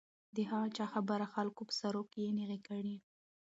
د هغه چا خبره خلکو په سروو کې يې نينې کړې .